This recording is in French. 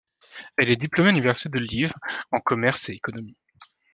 Elle est diplômée à l'université de Liev en commerce et économie.